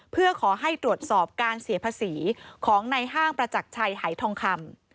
เพื่อขอให้ตรวจสอบการเสียภาษีของในห้างประจักรชัยหายทองคำ